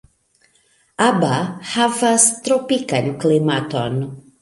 Aba havas tropikan klimaton.